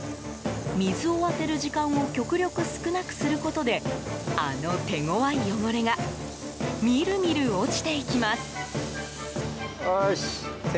水を当てる時間を極力少なくすることであの手ごわい汚れがみるみる落ちていきます。